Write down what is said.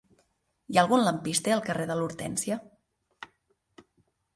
Hi ha algun lampista al carrer de l'Hortènsia?